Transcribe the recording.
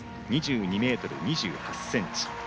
２２ｍ２８ｃｍ。